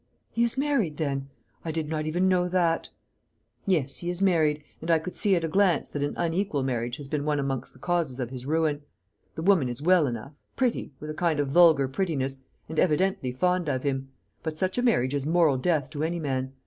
"He is married, then? I did not even know that." "Yes, he is married; and I could see at a glance that an unequal marriage has been one among the causes of his ruin. The woman is well enough pretty, with a kind of vulgar prettiness, and evidently fond of him. But such a marriage is moral death to any man.